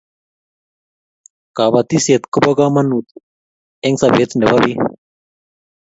kabatishet kobo kamagut eng sabet nebo bik